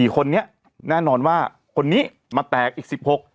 ๔คนนี้แน่นอนว่าคนนี้มาแตกอีก๑๖